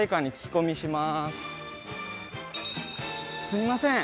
すみません。